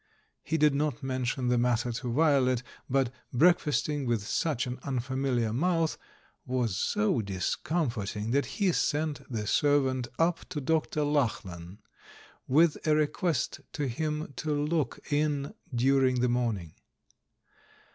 He did not mention the matter to Violet, but breakfasting with such an unfamiliar mouth was so discomforting that he sent the serv ant up to Dr. Lachlan with a request to him to look in during the morning.